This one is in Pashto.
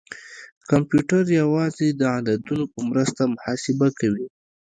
کمپیوټر یوازې د عددونو په مرسته محاسبه کوي.